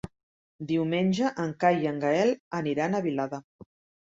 Diumenge en Cai i en Gaël aniran a Vilada.